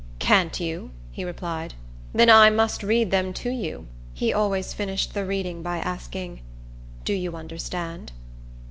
"Can't you?" he replied; "then I must read them to you." He always finished the reading by asking, "Do you understand?"